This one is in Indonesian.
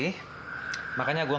kalau dia mau ke sini eerste